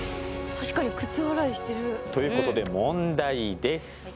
確かに靴洗いしてる。ということで問題です。